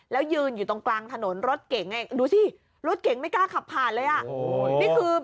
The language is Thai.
แล้วยืนอยู่ตรงกลางถนนรถเก่งดูสิรถเก่งไม่กล้าขับผ่านเลยอ่ะ